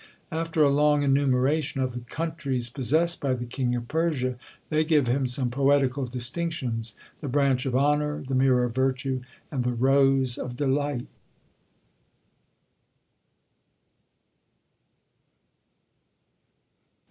After a long enumeration of the countries possessed by the king of Persia, they give him some poetical distinctions: the branch of honour; the mirror of virtue; and the rose of delight.